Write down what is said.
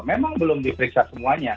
memang belum diperiksa semuanya